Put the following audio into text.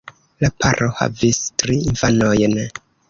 La paro havis tri infanojn.